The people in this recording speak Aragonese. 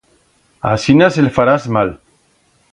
Asinas el farás mal